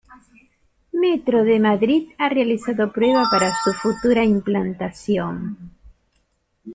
Metro de Madrid ha realizado pruebas para su futura implantación.